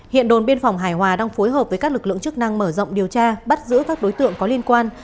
hiện đồn biên phòng hải hòa đang phối hợp với các lực lượng chức năng mở rộng điều tra bắt giữ các đối tượng có liên quan